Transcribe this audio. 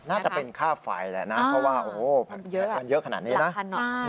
น่าจะเป็นค่าไฟแหละนะเพราะว่าโอ้โหมันเยอะขนาดนี้นะ